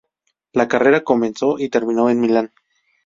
La carrera comenzó y terminó en Milán.